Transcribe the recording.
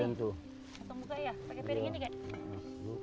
langsung buka ya pake piring ini kek